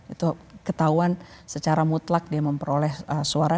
itu ketahuan secara mutlak dia memperoleh suara